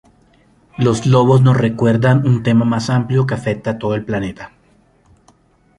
Los lobos nos recuerdan un tema más amplio que afecta a todo el planeta.